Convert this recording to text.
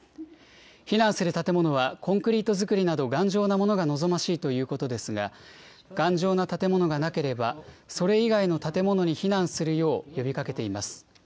避難する建物はコンクリート造りなど頑丈なものが望ましいということですが、頑丈な建物がなければ、それ以外の建物に避難するよう呼びかけています。